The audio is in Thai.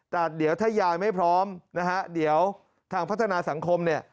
แต่เดี๋ยวถ้ายายไม่พร้อมนะฮะเดี๋ยวทางพัฒนาสังคมเนี่ย